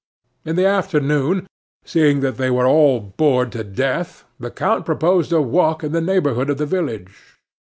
In the afternoon, seeing that they were all bored to death, the count proposed a walk in the neighborhood of the village.